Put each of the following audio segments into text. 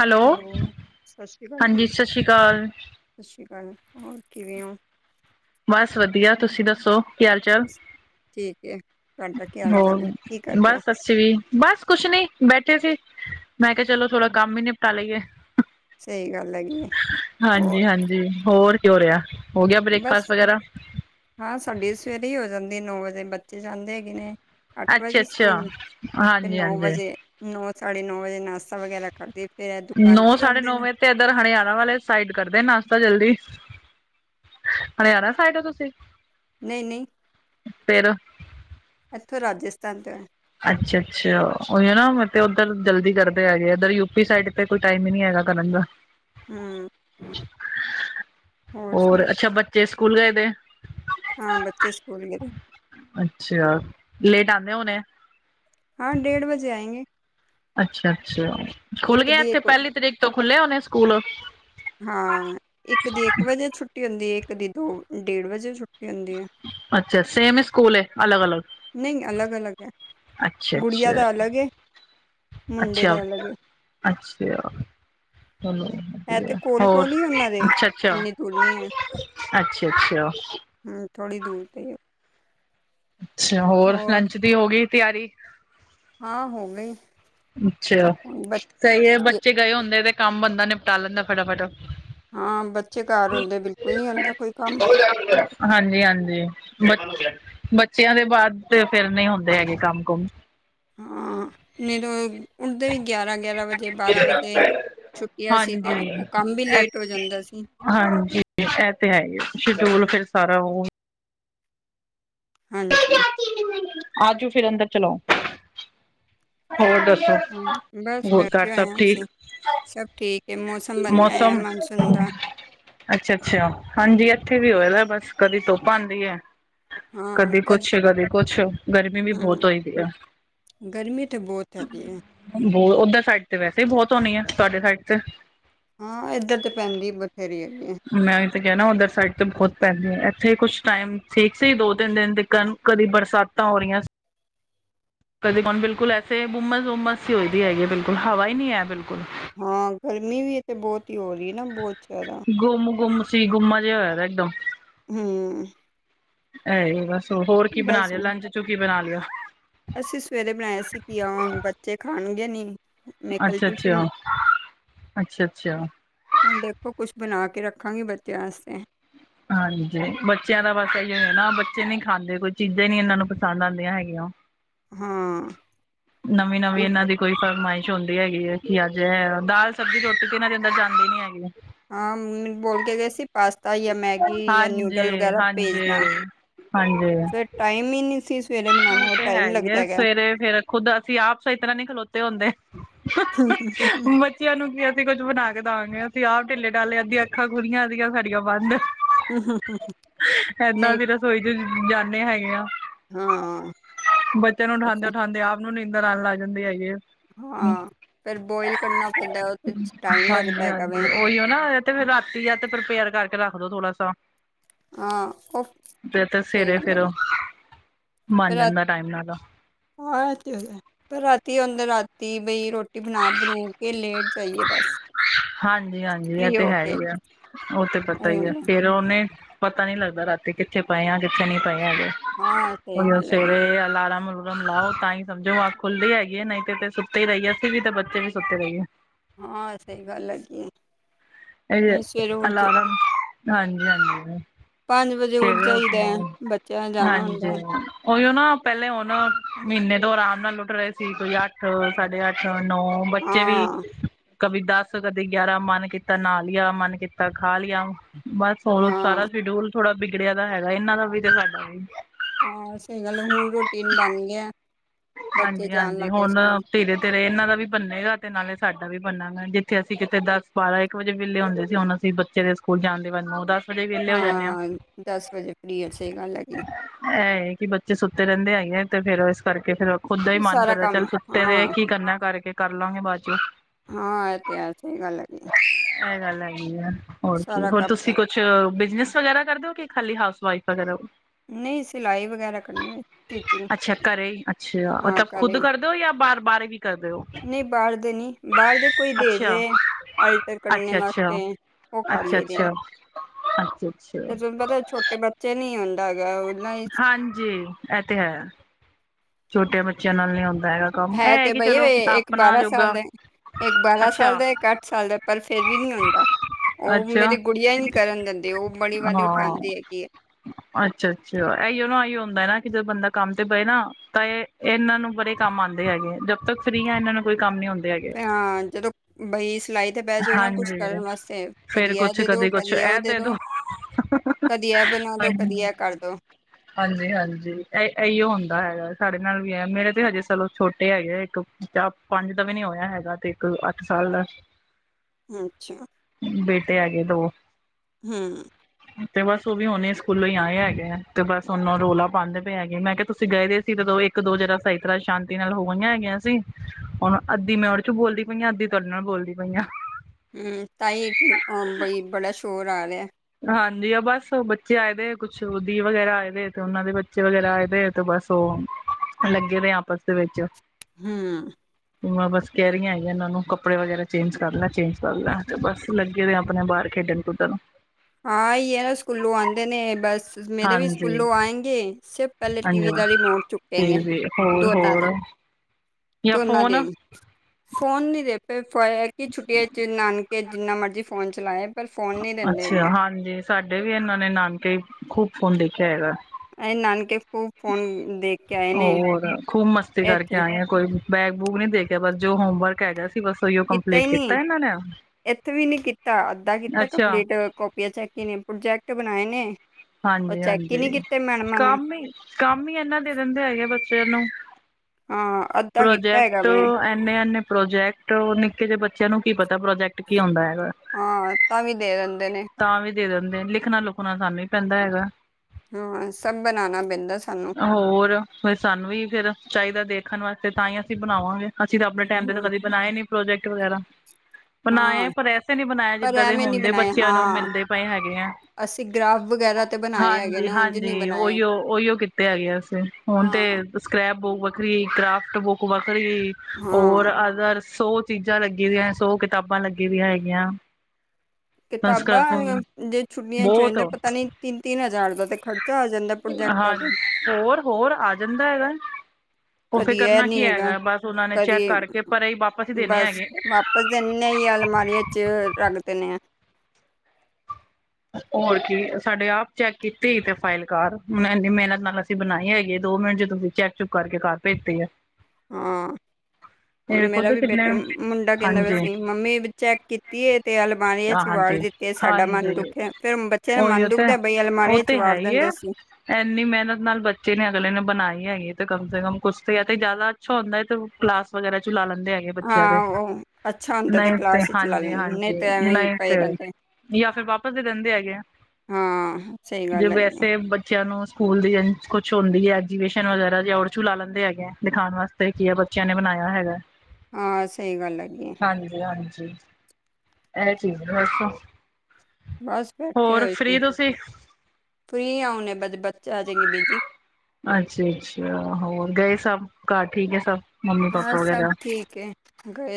Hello, ਸਤਿ ਸ਼੍ਰੀ ਅਕਾਲ ਜੀ, ਹਾਂਜੀ ਸਤਿ ਸ਼੍ਰੀ ਅਕਾਲ। ਸਤਿ ਸ਼੍ਰੀ ਅਕਾਲ। ਹੋਰ ਕਿਵੇਂ ਹੋ? ਬਸ ਵਧੀਆ। ਤੁਸੀਂ ਦੱਸੋ? ਕੀ ਹਾਲ ਚਾਲ ਠੀਕ ਏ ਪਹਿਣ ਦਾ ਕੀ ਹਾਲ ਹੋਰ ਚਾਲ ਕੀ ਕਰਦੇ ਹੋ। ਬਸ ਵੀ ਬਸ ਕੁਛ ਨੀ ਬੈਠੇ ਸੀ ਮੈਂ ਕਿਹਾ ਚਲੋ ਥੋੜਾ ਕੰਮ ਹੀ ਨਿਪਟਾ ਲਈਏ। ਸਹੀ ਗੱਲ ਹੈਗੀ ਹੈ, ਹਾਂਜੀ ਹੋਰ ਹਾਂਜੀ ਹੋਰ ਕਿਉ ਰਿਹਾ। ਹੋ ਗਿਆ ਬਸ ਬ੍ਰੇਕਫਾਸਟ ਵਗੈਰਾ ਹਾਂ ਸਾਡੀ ਸਵੇਰੇ ਹੀ ਹੋ ਜਾਂਦੀ ਨੌ ਵਜੇ ਬੱਚੇ ਜਾਂਦੇ ਹੈਗੇ ਨੇ। ਅੱਠ ਅੱਛਾ ਵਜੇ ਅੱਛਾ ਸਕੂਲ ਫਿਰ ਹਾਂਜੀ ਨੌ ਹਾਂਜੀ। ਵਜੇ ਨੌ ਸਾਢੇ ਨੌ ਵਜੇ ਨਾਸਤਾਂ ਵਗੈਰਾ ਕਰਦੇ ਫੇਰ ਇਹ ਦੁਕਾਨ ਨੌ ਤੇ ਸਾਢੇ ਚੱਲਦੇ ਨੌ ਨੇ। ਵਜੇ ਤੇ ਇੱਧਰ ਹਰਿਆਲਾ ਵਾਲੇ ਸਾਈਡ ਕਰਦੇ ਨਾਸ਼ਤਾ ਜਲਦੀ। ਹਰਿਆਣਾ ਸਾਈਡ ਹੋ ਤੁਸੀਂ। ਨਹੀਂ ਨਹੀਂ। ਪਰ। ਇੱਥੋਂ ਰਾਜਸਥਾਨ ਤੋਂ ਹੈ। ਅੱਛਾ ਅੱਛਾ ਉਹੀ ਨਾ ਮ ਉੱਧਰ ਜਲਦੀ ਕਰਦੇ ਹੈਗੇ ਇੱਧਰ ਯੂਪੀ ਸਾਈਡ ਤੇ। ਕੋਈ ਟਾਈਮ ਹੀ ਨੀ ਹੈਗਾ ਕਰਨ ਦਾ। ਹਮ ਹੋਰ ਅੱਛਾ ਬੱਚੇ। ਜੇ ਸਕੂਲ ਗਏ ਦੇ। ਹਾਂ ਬੱਚੇ ਸਕੂਲ ਗਰੇ। ਅੱਛਾ, ਲੇਟ ਆਉਂਦੇ ਹੋਣੇ ਆ। ਹਾਂ ਡੇਢ ਵਜੇ ਆਏਂ ਗੇ। ਅੱਛਾ -ਅੱਛਾ ਖੁੱਲ ਇੱਕ ਗਏ? ਦੀ ਇੱਥੇ ਇੱਕ ਪਹਿਲੀ ਤਰੀਕ ਤੋਂ ਖੁੱਲ੍ਹੇ ਹੋਣੇ ਸਕੂਲ। ਹਾਂ ਇੱਕ ਦੀ ਇੱਕ ਵਜੇ ਛੁੱਟੀ ਹੁੰਦੀ ਹੈ, ਇੱਕ ਦੀ ਦੋ ਡੇਢ ਵਜੇ ਛੁੱਟੀ ਹੁੰਦੀ ਹੈ। ਅੱਛਾ ਸੇਮ ਹੀ ਸਕੂਲ ਹੈ, ਅਲੱਗ ਅਲੱਗ। ਨਹੀਂ ਅਲੱਗ ਅਲੱਗ ਹੈ ਅੱਛਾ ਗੁੜੀਆਂ ਅੱਛਾ ਦਾ ਅਲੱਗ ਏ। ਮੁੰਡੇ ਦਾ ਅਲੱਗ ਅੱਛਾ- ਏ ਅੱਛਾ। ਹੈ ਤੇ ਕੋਲ ਹੋਰ? ਕੋਲ ਹੀ ਉਹਨਾਂ ਦੇ ਅੱਛਾ ਅੱਛਾ। ਇੰਨੀ ਦੂਰ ਨੀ ਹੈ ਅੱਛਾ- ਅੱਛਾ। ਹਮ ਥੋੜੀ ਦੂਰ ਤੇ। ਅੱਛਾ ਹੋਰ ਲੰਚ ਦੀ ਹੋ ਗਈ ਤਿਆਰੀ। ਹਾਂ ਹੋ ਗਈ। ਅੱਛਾ ਹੁਣ ਬੱਚੇ ਸਹੀ ਹੈ ਬੱਚੇ ਗਏ ਹੁੰਦੇ ਤੇ ਕੰਮ ਬੰਦਾ ਨਿਪਟਾ ਲੈਂਦਾ ਫਟਾਫਟ। ਹਾਂ ਬੱਚੇ ਘਰ ਹੁੰਦੇ ਬਿਲਕੁਲ ਨਹੀਂ ਆੁੰਂਦਾ ਕੋਈ ਕੰਮ। ਹਾਂਜੀ -ਹਾਂਜੀ, ਬੱਚਿਆਂ ਦੇ ਬਾਅਦ ਫਿਰ ਨਹੀਂ ਹੁੰਦੇ ਹੈਗੇ ਕੰਮ ਕੁਮ। ਹਾਂ ਬਈ ਤੋਂ ਉੱਠ ਦੇ ਵੀ ਗਿਆਰਾਂ ਗਿਆਰਾਂ ਵਜੇ। ਜੇ ਬਾਰਾਂ ਵਜੇ ਛੁੱਟੀਆਂ ਸੀ ਤੇ, ਹਾਂਜੀ ਉਹ ਕੰਮ ਵੀ ਐ ਲੇਟ ਹੋ ਜਾਂਦਾ ਸੀ। ਹਾਂਜੀ, ਇਹ ਤੇ ਹੈ ਹੀ ਸ਼ਡਿਊਲ ਫਿਰ ਸਾਰਾ ਉਹ। ਹਾਂਜੀ। ਆਜੋ ਫਿਰ ਅੰਦਰ ਚਲੋ। ਹੋਰ ਦੱਸੋ। ਹਮ ਬਸ ਹੋਰ ਘਰ ਬੈਠੇ ਸਭ ਹੋਏ ਆ ਠੀਕ ਅਸੀਂ। ਸਭ ਠੀਕ ਹੈ, ਮੌਸਮ ਬਣਿਆ ਹੋਇ ਮੌਸਮ ਮਾਨਸੂਨ ਦਾ। ਅੱਛਾ -ਅੱਛਾ, ਹਾਂਜੀ ਇੱਥੇ ਵੀ ਹੋਇਆ ਦਾ ਬਸ ਕਦੀ ਤੋੱਪ ਆਉਂਦੀ ਹੈ। ਕਦੀ ਕੁਛ ਕਦੀ ਕੁਛ ਗਰਮੀ ਵੀ ਹਮ ਬਹੁਤ ਹੋਈ ਦੀ ਆ। ਗਰਮੀ ਤਾਂ ਬਹੁਤ ਹੈਹੀ ਹੈ। ਬਹੁਤ ਉਧਰ ਸਾਈਡ ਤੇ ਵੈਸੇ ਵੀ ਬਹੁਤ ਹੋਣੀ ਆ ਤੁਹਾਡੇ ਸਾਈਡ ਤੇ। ਹਾਂ ਇੱਧਰ ਤੇ ਪੈਂਦੀ ਬਥੇਰੀ ਅੱਗੇ। ਮੈਂ ਵੀ ਤਾਂ ਕਹਿਣਾ ਉੱਧਰ ਸਾਈਡ ਤੇ ਬਹੁਤ ਪੈਂਦੀ ਆ, ਇੱਥੇ ਕੁਛ ਟਾਈਮ ਠੀਕ ਸੀ ਦੋ ਤਿੰਨ ਦਿਨ ਦੇ ਕ ਕਦੀ ਬਰਸਾਤ। ਹੋ ਰਹੀਆਂ ਸੀ। ਕਦੇ ਕਣ ਬਿਲਕੁਲ ਐੇ ਹੂੰਮਸ-ਹੂੰਮਸ ਸੀ ਹੋ ਰਈ ਹੈਗੀ ਬਿਲਕੁਲ ਹਵਾ ਈ ਨੀ ਹੈ ਬਿਲਕੁਲ। ਹਾਂ ਗਰਮੀ ਵੀ ਏਥੇ ਬੋਤ ਈ ਹੋ ਰਹੀ ਨਾ ਬੋਤ ਜ਼ਿਆਦਾ। ਗੁੰਮ-ਗੁੰਮ ਸੀ ਗੁੰਮਾ ਜਿਆ ਹੋਇਆ ਇੱਕਦਮ। ਹਾਂ। ਐ ਏ ਬਸ ਹੋਰ ਕੀ ਬਣਾ ਬਸ ਲਿਆ ਲੰਚ ਚ ਕੀ ਬਣਾ ਲਿਆ? ਅਸੀਂ ਸਵੇਰੇ ਬਣਾਇਆ ਸੀ ਘੀਆ ਹੁਣ ਬੱਚੇ ਖਾਣਗੇ ਨੀ। ਮੈਂ ਕੱਲ ਅੱਛਾ, ਅੱਛਾ, ਟਿਫਿਨ ਅੱਛਾ, ਅੱਛਾ। ਹੁਣ ਦੇਖੋ ਕੁਛ ਬਣਾ ਕੇ ਰੱਖਾਂਗੀ ਬੱਚੇਆਂ ਆਸਤੇ। ਹਾਂਜੀ ਬੱਚਿਆਂ ਦਾ ਬਸ ਇਹੀਓ ਨਾ ਬੱਚੇ ਨੀ ਖਾਂਦੇ ਕੋਈ ਚੀਜ਼ਾਂ ਈ ਨੀ ਏਨਾਂ ਨੂੰ ਪਸੰਦ ਆਂਦੀਆਂ ਹੈਗੀਆਂ। ਹੂੰ। ਨਵੀਂ-ਨਵੀ ਏਨਾਂ ਦੀ ਕੋਈ। ਪਰਮਾਇਸ਼ ਹੁੰਦੀ ਹੈਗੀ ਹੈ ਕਿ ਅੱਜ ਦਾਲ, ਸਬਜ਼ੀ ਰੋਟੀ ਤੇ ਏਨਾਂ ਦੇ ਅੰਦਰ ਜਾਂਦੀ ਨੀ ਹੈਗੀ। ਹਾਂ, ਮੈਨੂੰ ਬੋਲ ਕੇ ਗਏ ਸੀ ਪਾਸਤਾਂ। ਤਾ ਜਾਂ ਮੈਗੀ ਜਾਂ ਹਾਂਜੀ ਨਿਊਡਲ ਵਗੈਰਾ ਹਾਂਜੀ ਭੇਜਣਾ ਫਿਰ ਟਾਈਮ ਈਨੀ੍ਰ ਸੀ। ਸਵੇਰੇ ਓ ਬਣਾਉਣਾ ਤੇ ਹੈ ਟਾਈਮ ਈ ਲੱਗਦਾ ਏ ਹੈਗਾ ਸਵੇਰੇ ਫੇਰ ਖੁੱਦ ਅਸੀਂ ਆਪ ਹੀ ਸਈ ਤਰ੍ਹਾਂ ਨੀ ਖਲੋਤੇ ਹੁੰਦੇ। ਹੂੰ। ਬੱਚੇਆਂ ਨੂੰ ਕੀ ਅਸੀਂ ਕੁੱਛ ਬਣਾ ਕੇ ਦਵਾਂਗੇ ਅਸੀਂ ਆਪ ਢਿੱਲੇ ਢਾਲੇ ਅੱਧੀਆਂ ਅੱਖਾਂ ਖੁੱਲ੍ਹੀਆਂ ਅੱਧੀਆਂ ਸਾਡੀਆਂ ਬੰਦ। ਐਦਾਂ ਨਹੀਂ ਅਸੀ ਰਸੋਈ ਚ ਜਾਂਣੇ ਹੈਗੇ ਆ। ਹਾਂ। ਬੱਚੇਆਂ ਨੂੰ ਓਕੇ ਉਠਾਦੇ-ਉਠਾਦੇ ਆਪ ਨੂੰ ਨੀਂਦਰ ਆਣ ਲੱਗ ਜਾਂਦੀ ਹੈਗੀ ਆ। ਹਾਂ ਫੇਰ ਬੋਇਲ ਕਰਨਾ ਪੈਂਦਾ ਉਦੇ 'ਚਟਾਈਮ ਲੱਗਦਾ ਹੈਗਾ ਵੇ। ਓਈ ਓ ਨਾ। ਤੇ ਫੇਰ ਰਾਤੀ ਜਾ ਤੇ ਪ੍ਰਪੇਅਰ ਕਰਕੇ ਰੱਖ ਦੋ ਥੋੜ੍ਹਾ ਸਾ ਹਾਂ ਉਹ ਫੇਰ ਤੇ ਸਹੀ ਗੱਲ ਸਵੇਰੇ-ਸਵੇਰੇ ਹੈ ਬਣ ਜਾਂਦਾ ਟਾਈਮ ਨਾਲੋ। ਹਾ ਐ ਤੇ ਹੈ। ਪਰ ਰਾਤੀ ਔਦੇ ਰਾਤੀ ਬਈ ਰੋਟੀ ਬਣਾ ਬਣੂ ਕੇ ਲੇਟ ਜਾਈਏ ਬਸ। ਹਾਂਜੀ-ਹਾਂਜੀ ਏ ਫ੍ਰੀ ਤੇ ਹੋ ਹੈ ਕੇ ਈ ਆ ਓ ਤੇ ਪਤਾ ਈ ਆ ਫੇਰ ਉਹਨੇ। ਪਤਾ ਨੀ ਲੱਗਦਾ ਰਾਤੀ ਕਿੱਥੇ ਪਏ ਆ ਕਿੱਥੇ ਨਈ ਪਏ ਹੈਗੇ ਹਾਂ ਸਹੀ ਓ ਗੱਲ ਹੈਗੀ ਸਵੇਰੇ ਅਲਾਰਮ ਮ ਲਾਓ ਤਾਂ ਈ ਸਮਝੋ ਅੱਖ ਖੁੱਲਦੀ ਹੈਗੀ ਏ ਨਈ ਤੇ ਸੁੱਤੇ ਹੀ ਰਈਏ ਅਸੀਂ ਵੀ ਤੇ ਬੱਚੇ ਵੀ ਸੁੱਤੇ ਰਈਏ। ਹਾਂ, ਸਹੀ ਗੱਲ ਹੈਗੀ ਏ। ਅਲਾਰਮ ਹਾਂਜੀ-ਹਾਂਜੀ। ਪੰਜ ਵਜੇ ਕਿ ਉੱਠ ਹੋਰ ਜਾਈਦਾ ਹੈ, ਸੁਣਾਓ? ਬੱਚਿਆਂ ਨੇ ਜਾਣਾ ਹਾਂਜੀ। ਹੁੰਦਾ ਹੈ। ਓਈਓ ਨਾ ਪਹਿਲੇ ਓਨਾ ਮਹੀਨੇ ਤੋਂ ਆਰਾਮ ਨਾਲ ਉਠ ਰਹੇ ਸੀ ਕੋਈ ਅੱਠ, ਸਾਢੇ ਅੱਠ, ਨੌ। ਬੱਚੇ ਵੀ। ਹਾਂ ਕਦੀ ਦਸ ਕਦੇ ਗਿਆਰਾਂ ਮਨ ਕੀਤਾ ਨਾਹ ਲੀਆ ਮਨ ਕੀਤਾ ਖਾ ਲੀਆ। ਬਸ ਹੋਰ ਹਾਂ ਸਾਰਾ ਸ਼ਡਿਊਲ ਥੋੜਾ ਬਿਗੜਿਆ ਤਾਂ ਹੈਗਾ ਏਨਾਂ ਦਾ ਵੀ ਤੇ ਸਾਡਾ ਵੀ। ਹਾਂ ਸਹੀ ਗੱਲ ਐ ਹੁਣ ਰੋਟੀਨ ਬਣ ਗਿਆ। ਬੱਚੇ ਜਾਣ ਹਾਂਜੀ-ਹਾਂਜੀ ਲੱਗੇ ਹੁਣ ਸਕੂਲ ਤੇਰੇ। ਤੇਰੇ ਏਨਾਂ ਦਾ ਵੀ ਬੰਨੇਗਾ ਤੇ ਨਾਲੇ ਸਾਡਾ ਵੀ ਬਣਨਾ ਜਿੱਥੇ ਅਸੀਂ ਕਿਤੇ ਦਸ, ਬਾਰਾਂ, ਇੱਕ ਵਜੇ ਵੇਹਲੇ ਹੁੰਦੇ ਸੀ ਹੁਣ ਅਸੀਂ। ਦੇ ਸਕੂਲ ਜਾਣਦੇ ਬਾਦ ਨੋ ਦਸ ਵਜੇ ਵਿਹਲੇ ਹੋ ਜਾਂਦੇ ਹਾਂ, ਦਸ ਵਜੇ ਫਰੀ ਆ ਸਈ ਗੱਲ ਹੈਗੀ ਐ। ਐ ਕੀ ਬੱ। ਸੁੱਤੇ ਰਹਿੰਦੇ ਆਈਏ ਤੇ ਫੇਰ ਓ ਏਸ ਕਰਕੇ ਫਿਰ ਖੁਦ ਦਾ ਈ ਮਨ ਸਾਰਾ ਕਰਦਾ ਚੱਲ ਕੰਮ ਸੁੱਤੇ ਪਏ ਹਾਂ, ਕੀ ਕਰਨਾ ਕਰਕੇ। ਕਰ ਲਾਗੇ ਬਾਅ ਚੋ। ਹਾਂ ਇ ਤੇ ਆ, ਸ ਗੱਲ ਕਿ। ਇਹ ਗੱਲ ਹੈਗੀ ਆ, ਹੋਰ ਕੀ, ਹੋਰ ਕੰਮ ਤੁਸੀਂ ਹੈ। ਕੁਛ ਬਿਜਨਸ ਵਗੈਰਾ ਕਰਦੇ ਹੋ ਕਿ, ਖਾਲੀ ਹਾਊਸ ਵਾਈਫ ਵਗੈਰਾ ਨਹੀਂ ਸਿਲਾਈ ਵਗੈਰਾ ਕਰਨੀ ਹਾ, ਸਟੀਿਚਿੰਗ। ਕਰੇ ਹੀ, ਅੱਛਾ ਮਤਲਬ ਖੁਦ ਕਰਦੇ ਹੋ ਜਾਂ ਬਾਰ, ਬਾਰ ਵਾਲੇ ਕਰਦੇ ਹੋ। ਨਹੀਂ ਬਾਹਰ ਦੇ ਨਹੀਂ, ਬਾਹਰ ਦੇ ਕੋਈ ਦੇ ਅੱਛਾ ਦੇ ਅਲਟਰ ਕਰਨ ਅੱਛਾ ਅੱਛਾ ਵਾਸਤੇ, ਉਹ ਕਰ ਅੱਛਾ ਅੱਛਾ ਲਈ ਦੇ ਆ। ਅੱਛਾ -ਅੱਛਾ। ਜਦ ਪਤਾ, ਛੋਟੇ ਬੱਚੇ ਨੀ ਹੁੰਦਾ ਹੈਗਾ। ਹਾਂਜੀ, ਇਹ ਤੇ ਹੈ। ਛੋਟੇ ਬੱਚਿਆਂ ਨਾਲ ਨੀ ਆਉਂਦਾ ਹੈਗਾ। ਕੰਮ ਇਹ ਹੈ ਤੇ ਕਿ ਬਈ ਚਲੋ ਇੱਕ ਆਪਣਾ ਬਾਰਾਂ ਜੋਗਾ ਸਾਲ ਦਾ ਇੱਕ ਬਾਰਾਂ ਸਾਲ ਅੱਛਾ ਦਾ, ਇੱਕ ਅੱਠ ਸਾਲ ਦਾ, ਪਰ ਫੇਿਰ ਵੀ ਨਹੀਂ ਹਉਂਦਾ। ਉਹ ਅੱਛਾ ਮੇਰੀ ਗੁੜੀਆਂ ਹੀ ਨੀ ਕਰਨ ਦਿੰਦੀ, ਉਹ ਬੜੀ ਵਾਰੀ ਹਾਂ ਉਠਾਉਂਦੇ ਹੈਗੇ ਆ। ਅੱਛਾ ਅੱਛਾ, ਇਹੀਓ ਨਾ ਆਹੀ ਹੁੰਂਦਾ ਨਾ, ਕਿ ਜਦੋਂ ਬੰਦਾ ਕੰਮ ਤੇ ਪਏ ਨਾ ਤਾਂ ਇਹ ਇਹਨਾਂ ਨੂੰ ਬੜੇ ਕੰਮ ਆਉਂਦੇ ਹੈਗੇ, ਜਦ ਤੱਕ ਫਰੀ ਆ, ਇਹਨਾਂ ਨੂੰ ਕੋਈ ਕੰਮ ਨੀ ਆਉਂਦੇ ਹੈਗੇ। ਹਾਂ ਜਦੋਂ ਬਈ ਸਿਲਾਈ ਤੇ ਬੈ ਜਾਓ ਨਾ ਕੁਛ ਹਾਂਜੀ ਕਰਨ ਵਾਸਤੇ, ਫੇਰ ਕਦੀ ਇਹ ਕੁਛ ਦੇ ਦੋ, ਕਦੇ ਕੁਛ ਕਦੀ ਉਹ ਇਹ ਦੇ ਦੋ। ਕਦੀ ਇਹ ਬਣਾ ਦੋ, ਕਦੀ ਹਾਂਜੀ ਇਹ ਕਰਦੋ। ਹਾਂਜੀ ਹਾਂਜੀ, ਇਹ ਇਹੀਓ ਹੁੰਦਾ ਹੈਗਾ। ਸਾਡੇ ਨਾਲ ਵੀ ਹੈ ਮੇਰੇ ਤੇ ਹਜੇ ਸਲੋ ਛੋਟੇ ਹੈਗੇ ਆ, ਇੱਕ ਚਾਰ ਪੰਜ ਦਾ ਵੀ ਨੀ ਹੋਇਆ ਹੈਗਾ ਤੇ ਇੱਕ ਅੱਠ ਸਾਲ ਦਾ। ਅੱਛਾ। ਬੇਟੇ ਹੈਗੇ ਏ ਦੋ। ਹਮ ਤੇ ਬਸ ਉਹ ਵੀ ਹੁਨੇ ਸਕੂਲੋਂ ਹੀ ਆਏ ਹੈਗੇ ਹੈ ਤੇ ਬਸ ਉਹਨੂੰ ਰੌਲਾ ਪਾਉਂਦੇ ਪਏ ਹੈਗੇ, ਮੈਂ ਕਿਹਾ ਤੁਸੀਂ ਗਏ ਤੇਦੋਂ ਇੱਕ ਦੋ ਜਰਾ ਸਹੀ ਤਰ੍ਹਾਂ ਸ਼ਾਂਤੀ ਨਾਲ ਹੋ ਗਈਆਂ ਹੈਗੀਆਂ ਸੀ, ਹੁਣ ਅੱਧੀ ਮੈਂ 'ਚ ਬੋਲਦੀ ਪਈਆਂ, ਅਧੀ ਤੁਹਾਡੇ ਨਾਲ ਬੋਲਦੀ ਪਈਆਂ। ਹਮ, ਤਾਈ ਬਈ ਬੜਾ ਸ਼ੋਰ ਆ ਰਿਹਾ। ਹਾਂਜੀ ਆ ਬਸ ਬੱਚੇ ਆਏ ਦੇ, ਕੁਛ ਦੀ ਵਗੈਰਾ ਆਏ ਦੇ ਤੇ ਉਹਨਾਂ ਦੇ ਬੱਚੇ ਵਗੈਰਾ ਆਏ ਦੇ ਹੈ, ਤੇ ਬਸ ਔ, ਲੱਦੇ ਆਂ ਆਪਸ ਦੇ ਵਿੱਚ। ਹਮ ਬਸ ਕਹਿ ਰਹੀ ਆਂ ਹੈਗੀ ਕਿ ਇਹਨਾਂ ਨੂੰ ਕੱਪੜੇ ਵਗੈਰਾ ਚੇਂਜ ਕਰ ਲੈ, ਚੇਂਜ ਕਰ ਲੈ, ਤੇ ਬਸ ਆਪਣੇ ਆਪ ਬਾਹਰ ਖੇਡਣ-ਕੁੱਦਣ ਹਾਂ ਹੈ ਨਾ ਸਕੂਲੋਂ ਆਉਂਦੇ ਨੇ ਬਸ, ਮੇਰੇ ਵੀ ਹਾਂਜੀ ਸਕੂਲੋਂ ਆਏਗੇ ਸਬ ਪਹਿਲੇ ਹਾਂਜੀ ਟੀਵੀ ਦਾ ਰਿਮੋਟ ਤੇ ਚੁੱਕੇਨਗੇ, ਵੀ ਹੋਰ ਦੋਨਾਂ ਦੇ, ਹੋਰ ਜਾਂ ਦੋਨਾਂ ਦੇ ਫੋਨ ਫੋਨ ਨੀ ਦੇਖਦੇ ਪਏ, ਕਿ ਛੁੱਟੀਆਂ 'ਚ ਨਾਨਕੇ ਜਿੰਨਾ ਮਰਜੀ ਫੋਨ ਚਲਾਏ ਪਰ ਫੋਨ ਨਹੀਂ ਦੇਂਦੇ ਅੱਛਾ ਹੈਗੇ। ਹਾਂਜੀ ਸਾਡੇ ਵੀ ਇਹਨਾਂ ਨੇ ਨਾਨਕੇ, ਖੂਬ ਫੋਨ ਦੇਖਿਆ ਹੈਗਾ। ਇਹ ਨਾਨਕੇ ਖੂਬ ਫੋਨ ਦੇਖ ਹੋਰ ਖੂਬ ਮਸਤੀ ਕਰਕੇ ਆਏ ਆ, ਕੋਈ ਬੈਗ-ਬੂਗ ਨਹੀਂ ਦੇਖਿਆ, ਬਸ ਜੋ ਹੋਮਵਰਕ ਹੈਗਾ ਸੀ ਬਸ ਉਹੀਓ ਕੀਤਾ ਕੰਪਲੀਟ ਹੀ ਨੀ, ਇਹਨਾਂ ਨੇ ਇੱਥੇ ਵੀ ਨੀ ਕੀਤਾ, ਅੱਧਾ ਕੀਤਾ ਅੱਛਾ ਕੰਪਲੀਟ। ਕਾਪੀਆਂ ਚੈੱਕੀ ਨੀ, ਪ੍ਰੋਜੈਕਟ ਬਣਾਏ ਨੇ। ਉਹ ਚੈੱਕ ਹੀ ਨੀ ਹਾਂਜੀ-ਹਾਂਜੀ ਕੀਤੇ ਮੈਡਮਾਂ ਨੇ ਕੰਮ ਹੀ, ਕੰਮ ਹੀ ਇਹਨਾਂ ਦੇ ਦਿੰਦੇ ਹੈਗੇ ਬੱਚਿਆਂ ਨੂੰ। ਹਾਂ- ਅੱਧਾ ਕੀਤਾ ਹੈਗਾ ਪ੍ਰੋਜੈਕਟ ਮੈਂ ਅੇ- ਇਨੇ-ਇਨੇ ਪ੍ਰੋਜੈਕਟ ਨਿੱਕੇ ਜਿਹੇ ਬੱਚਿਆਂ ਨੂੰ ਕੀ ਪਤਾ ਪ੍ਰੋਜੈਕਟ ਕੀ ਹੁੰਦਾ ਹੈਗਾ। ਹਾਂ ਤਾਂ ਵੀ ਦੇ ਦਿੰਦੇ ਨੇ। ਤਾਂ ਵੀ ਦੇ ਦਿੰਦੇ ਲਿਖਣਾ-ਲੁਖਣਾ ਸਾਨੂੰ ਹੀ ਪੈਂਦਾ ਹੈਗਾ। ਹਾਂ ਸਭ ਬਣਾਣਾ ਪੈਂਦਾ ਸਾਨੂੰ। ਹੋਰ ਫਿਰ ਸਾਨੂੰ ਵੀ ਫੇਰ ਚਾਹੀਦਾ ਦੇਖਣ ਵਾਸਤੇ ਤਾਂ ਹੀ ਅਸੀਂ ਬਣਾਵਾਂਗੇ ਅਸੀਂ ਤਾਂ ਆਪਣੇ ਟਾਈਮ ਤੇ ਤਾਂ ਹਮ, ਕਦੀ- ਬਣਾਏ ਨੀ ਪ੍ਰੋਜੈਕਟ ਵਗੈਰਾ। ਬਣਾਏ ਹਾਂ ਪਰ ਐਸੇ ਨੀ ਬਣਾਏ ਪਰ ਜਿੱਦਾਂ ਦੇ ਐਵੇਂ ਨੀ ਹੁੰਦੇ ਬਣਾਏ ਬੱਚਿਆਂ ਨੂੰ ਹਾਂ ਮਿਲਦੇ ਪਏ ਹੈਗੇ ਆ। ਅਸੀਂ ਗ੍ਰਾਫ ਵਗੈਰਾ ਤੇ ਬਣਾਏ ਹੈਗੇ ਨੇ ਉਂਝ ਨਹੀਂ ਹਾਂਜੀ-ਹਾਂਜੀ ਬਣਾਏ ਓਹੀਓ-ਓਹੀਓ ਕੀਤ ਆ ਗਿਆ ਸੀ ਹੁਣ ਹਾਂ ਤੇ ਸਕ੍ਰੈਪ ਬੁੱਕ ਵੱਖਰੀ, ਕਰਾਫਟ ਬੁੱਕ ਵੱਖਰੀ ਹੋਰ ਹਾਂ ਅਦਰ ਸੌ ਚੀਜ਼ਾਂ ਲੱਗੀ ਪੀਆ ਸੌ ਕਿਤਾਬਾਂ ਲੱਗੀ ਪੀਆ ਹੈਗੀਆਂ। ਸੰਸਕ੍ਰਿਤ ਕਿਤਾਬਾਂ ਜੇ ਛੁੱਟੀਆਂ ਚ ਹੋ ਬਹੁਤ ਜਾਂਦਾ ਪਤਾ ਨੀ ਤਿੰਨ-ਤਿੰਨ ਹਜ਼ਾਰ ਦਾ ਤੇ ਖਰਚਾ ਆ ਜਾਂਦਾ ਪ੍ਰੋਜੈਕਟ- ਹਾਂ ਹੋਰ-ਹੋਰ ਆ ਜਾਂਦਾ ਹੈਗਾ। ਉਹ ਫਿਰ ਕਦੀ ਇਹ ਕਨਾ ਨੀ ਕੀ ਹੈਗਾ ਬਸ ਉਹਨਾ ਨੇ ਕਦੀ ਚੈੱਕ ਕਰਕੇ ਪਰੇ ਹੀ ਵਾਪਸ ਹੀ ਦੇਣੇ ਹੈਗੇ। ਪਰ ਜਿੰਨੇ ਹੀ ਅਲਮਾਰੀਆਂ ਚ ਰੰਗ ਪੈਨੇ ਆ। ਹੋਰ ਕੀ ਸਾਡੇ ਆਪ ਚੈੱਕ ਕੀਤੀ ਤੇ ਫਾਈਲ ਘਾਰ ਹੁਣ ਇੰਨੀ ਮਿਹਨਤ ਨਾਲ ਅਸੀਂ ਬਣਾਈ ਹੈਗੀ ਦੋ ਮਿੰਟ ਚ ਤੂਸੀ ਚੈਪ-ਚੁੱਕ ਕਰਕੇ ਘਰ ਭੇਜ ਤੀ ਐ। ਹਾਂ, ਹੋਰ ਮੇਰਾ ਖੁਦ ਵੀ ਕਿੰਨੇ ਬੇਟਾ ਮੁੰਡਾ ਕਹਿੰਦਾ ਵੈ ਹਾਂਜੀ ਸੀ ਮੰਮੀ- ਚੈੱਕ ਕੀਤੀ ਏ- ਤੇ ਅਲਮਾਰੀਆਂ ਚ ਵਾੜ ਹਾਂਜੀ ਦਿੱਤੇ ਸਾਡਾ ਮਨ ਹਾਂਜੀ ਦੁੱਖ ਆ ਫਿਰ ਬੱਚਿਆਂ ਨੂੰ ਮਨ ਉਹੀਓ ਤੇ ਦੁਖਦਾ ਬਈ ਉਹ ਅਲਮਾਰੀ ਚ ਤੇ ਵਾੜ ਹੈ ਈ ਐ। ਦਿੰਦੇ ਸੀ ਇੰਨੀ ਮਿਹਨਤ ਨਾਲ ਬੱਚੇ ਨੇ ਅਗਲੇ ਨੇ ਬਣਾਈ ਹੈਗੀ ਤੇ ਕਮ ਸੇ ਕਮ ਕੁਛ ਤੇ ਹੈ ਤੇ ਜ਼ਿਆਦਾ ਅੱਛਾ ਹੁੰਦਾ ਤੇ ਕਲਾਸ ਵਗੈਰਾ ਚ ਲਾ ਲੈਂਦੇ ਹੈਗੇ। ਤੇ ਬੱਚਿਆਂ ਦੇ, ਹਾਂ ਉਹ ਅੱਛਾ ਹੁੰਦਾ ਨਹੀਂ ਤੇ ਕਲਾਸ ਵਿੱਚ ਲਾ ਲੈਂਦੇ ਨਹੀਂ ਹਾਂਜੀ-ਹਾਂਜੀ। ਤੇ ਐਵੇਂ ਹੀ ਨਹੀਂ ਪਏ ਤੇ ਰਹਿੰਦੇ ਜਾਂ ਫਿਰ ਵਾਪਸ ਦੇ ਦਿੰਦੇ ਹੈਗੇ ਆ। ਹਾਂ ਸਹੀ ਗੱਲ ਹੈ ਗੀ। ਬੱਚਿਆਂ ਨੂੰ ਸਕੂਲ ਦੀ ਕੁਛ ਹੁੰਦੀ ਹੈ ਐਗਜੀਬਿਸ਼ਨ ਵਗੈਰਾ ਜਾਂ ਓਚੂ ਲਾ ਲੈਂਦੇ ਹੈਗੇ ਹੈ ਦਿਖਾਣ ਵਾਸਤੇ। ਫੇਰ ਕੀ ਬੱਚਿਆਂ ਨੇ ਬਣਾਇਆ ਹੈਗਾ। ਹਾਂ ਸਹੀ ਗੱਲ ਹੈਗੀ ਐ। ਹਾਂਜੀ ਹਾਂਜੀ। ਇਹ ਚੀਜ਼ ਨੇ ਬਸ, ਬਸ ਹੋਰ ਫ੍ਰਰੀ ਤੁਸੀਂ। ਫਰੀ ਆ ਹੁਣ ਬਸ ਬੱਚੇ ਆ ਜਾਏਗੇ ਬੀਜੀ। ਅੱਛਾ- ਅੱਛਾ ਹੋਰ ਗਏ ਸਭ ਘਰ ਠੀਕ ਹੈ ਸਭ। ਮੰਮੀ ਪਾਪਾ ਵਗੈਰਾ,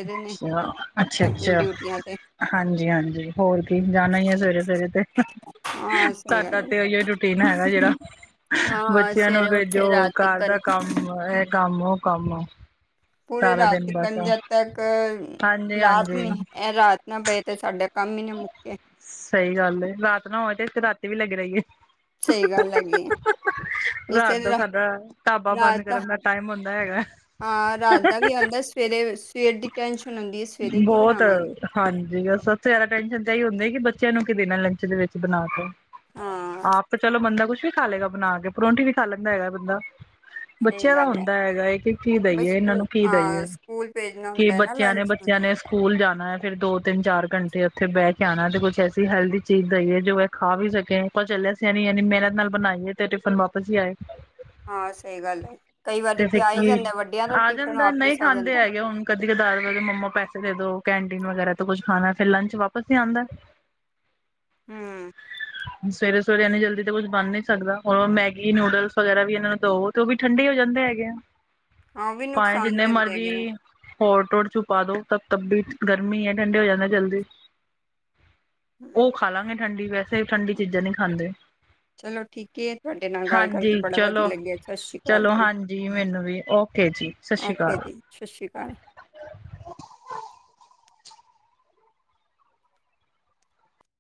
ਅੱਛਾ ਅੱਛਾ ਅੱਛਾ। ਹਾਂਜੀ ਹਾਂਜੀ ਹੋਰ ਕੀ ਜਾਣਾ ਹੀ ਹੈ ਸਵੇਰੇ- ਸਵੇਰੇ ਤੇ, ਸਾਡਾ ਤੇ ਉਹੀ ਓ ਰੁਟ ਟੀਨ ਹੈਗਾ ਜਿਹੜਾ, ਹਾਂ ਬੱਚਿਆਂ ਨੂੰ ਸਵੇਰੇ ਉੱਠੇ ਜੋ ਰਾਤ ਘਰ ਦਾ ਤਿਕਨ ਕੰਮ ਐ ਕੰਮ ਉਹ ਕੰਮ ਪੂਰੇ ਸਾਰਾ ਰਾਤ ਦਿਨ ਬਸ ਕੰਜਾ ਤੱਕ, ਹਾਂਜੀ ਰਾਤ ਹਾਂਜੀ ਨੀ ਏ ਰਾਤ ਨਾ ਬੇ ਤੇ ਸਾਡਾ ਕੰਮ ਈਨਾ ਮੁੱਕੇ। ਸਹੀ ਗੱਲ ਏ ਰਾਤ ਨਾ ਹੋਵੇ ਤੇ ਰਾਤੀ ਵੀ ਲੱਗੇ ਰਹੀਏ। ਸਹੀ ਗੱਲ ਹੈਗੀ। ਰਾਤ ਇਸੇ ਦਾ ਤਰ੍ਹਾਂ ਸਾਡਾ ਢਾਬਾ ਬੰਦ ਕਰਨ ਦਾ ਟਾਈਮ ਹੁੰਦਾ ਹੈਗਾ ਐ। ਹਾਂ ਰਾਤ ਦਾ ਵੀ ਆਉਂਦਾ ਸਵੇਰੇ- ਸਵੇਰ ਦੀ ਟੈਨਸ਼ਨ ਹੁੰਦੀ ਹੈ ਸਵੇਰੇ ਕੀ ਬਹੁਤ ਬਣਾਵਾਂਗੇ। ਹਾਂਜੀ ਸਭ ਤੋਂ ਜ਼ਿਆਦਾ ਟੈਨਸ਼ਨ ਤਾਂ ਇਹੀ ਹੁੰਦੀ ਹੈ ਕਿ ਬੱਚਿਆਂ ਨੂੰ ਕਿ ਦੇਣਾ ਲੰਚ ਦੇ ਵਿੱਚ ਬਣਾ ਕੇ। ਹਾਂ ਆਪ ਤੇ ਚਲੋ ਬੰਦਾ ਕੁਛ ਵੀ ਖਾ ਲਏਗਾ ਬਣਾ ਕੇ ਪਰੌਠੀ ਵੀ ਖਾ ਲੈਂਦਾ ਹੈਗਾ ਬੰਦਾ। ਸਹੀ ਬੱਚਿਆਂ ਦਾ ਗੱਲ ਹੈ ਹੁੰਦਾ ਹੈਗਾ ਇਹ ਕਿ ਕੀ ਬਈ ਦਈਏ ਇਹਨਾਂ ਸਕੂ ਨੂੰ ਕੀ ਹਾਂ ਦਈਏ ਸਕੂਲ ਭੇਜਣਾ ਕਿ ਹੁੰਦਾ ਹੈ ਨਾ ਬੱਚਿਆਂ ਨੇ, ਲੰਚ ਬੱਚਿਆਂ ਨੇ ਸਕੂਲ ਜਾਣਾ ਹੈ ਫੇਰ ਦੋ ਤਿੰਨ ਚਾਰ ਘੰਟੇ ਤੇ ਉੱਥੇ ਬੈ ਕੇ ਆਣਾ ਤੇ ਕੁਛ ਐਸੀ ਹੈਲਦੀ ਚੀਜ਼ ਦਈਏ ਜੋ ਐ ਖਾ ਵੀ ਸਕੇ ਪਤਾ ਚੱਲੇ ਅਸੀ ਐਨੀ ਮੇਹਨਤ ਨਾਲ ਬਣਾਈਏ। ਤੇ ਟਿਫਨ ਵਾਪਸ ਹੀ ਆਏ ਹਾਂ ਸਹੀ ਗੱਲ ਹੈ ਕਈ ਵਾਰੀ ਫਿਰ ਤੇ ਆ ਹੀ ਕੀ ਜਾਂਦਾ ਵੱਡਿਆਂ ਦਾ ਆ ਟਿਫਨ ਜਾਂਦਾ ਨਹੀਂ ਵਾਪਿਸ ਆ ਖਾਂਦੇ ਜਾਂਦਾ ਹੈਗੇ ਹੁਣ ਕਦੀ ਕ ਦਾਰ ਮੰਮਾ ਪੈਸੇ ਦੇ ਦੋ ਕੈਂਟੀਨ ਵਗੈਰਾ ਤੇ ਕੁੱਝ ਖਾਣਾ ਫਿਰ ਲੰਚ ਵਾਪਿਸ ਨ ਆਂਦਾ। ਹਮ ਸਵੇਰੇ ਸਵੇਰੇ ਇੰਨੀ ਜਲਦੀ ਤਾਂ ਕੁਛ ਬਣ ਨੀ ਸਕਦਾ ਉਹ ਮੈਗੀ ਨੂਡਲਸ ਵਗੈਰਾ ਵੀ ਇਹਨਾਂ ਨੂੰ ਦਵੋ ਤੇ ਉਹ ਵੀ ਠੰਡੇ ਹੋ ਜਾਂਦੇ ਹੈਗੇ ਆ ਹਾਂ ਉਹ ਵੀ ਭਾਵੇ ਨੁਕਸਾਨ ਜਿੰਨੇ ਦਿੰਦੇ ਹੈਗੇ ਨੇ ਮਰਜ਼ੀ ਹੋਰ ਟੋਰ ਛੁਪਾ ਦੋ ਤਬ ਤਬ ਵੀ ਗਰਮੀ ਹੈ ਠੰਡੇ ਹੋ ਜਾਂਦੇ ਜਲਦੀ ਹੂੰ ਉਹ ਖਾ ਲਾਂਗੇ ਠੰਡੀ ਵੈਸੇ ਠੰਡੀ ਚੀਜ਼ਾਂ ਨਹੀਂ ਖਾਂਦੇ ਚਲੋ ਠੀਕ ਹੈ ਤੁਹਾਡੇ ਨਾਲ ਗੱਲ ਕਰਕੇ ਹਾਂਜੀ ਬੜਾ ਵਧੀਆ ਚਲੋ ਲੱਗਿਆ ਸਤਿ ਸ਼੍ਰੀ ਅਕਾਲ ਚਲੋ ਜੀ ਹਾਂਜੀ ਮੈਨੂੰ ਵੀ ਓਕੇ ਜੀ ਸਤਿ ਸ਼੍ਰੀ ਓਕੇ ਅਕਾਲ। ਜੀ ਸਤਿ ਸ਼੍ਰੀ ਅਕਾਲ।